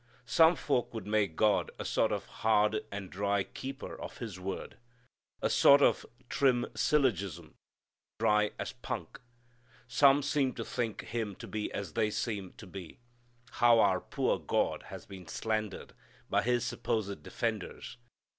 Some folk would make God a sort of hard and dry keeper of His word: A sort of trim syllogism, dry as punk. Some seem to think Him to be as they seem to be. How our poor God has been slandered by His supposed defenders!